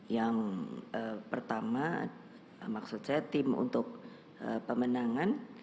yang pertama maksud saya tim untuk pemenangan